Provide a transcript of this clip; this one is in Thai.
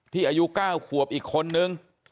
อายุ๙ขวบอีกคนนึง